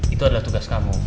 itu adalah tugas kamu